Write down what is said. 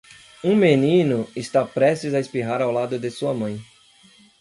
Um menino está prestes a espirrar ao lado de sua mãe.